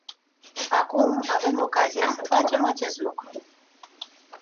Acum, avem ocazia să facem acest lucru.